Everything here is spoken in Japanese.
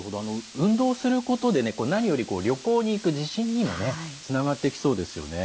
運動することでね何より旅行に行く自信にもねつながってきそうですよね。